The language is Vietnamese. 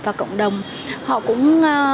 vào cộng đồng họ cũng